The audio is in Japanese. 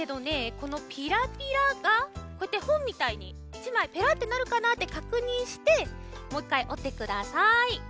このピラピラがこうやってほんみたいに１まいペラってなるかなってかくにんしてもう１かいおってください。